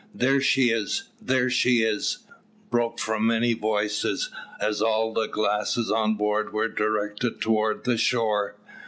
"There she is! there she is!" broke from many voices as all the glasses on board were directed towards the shore.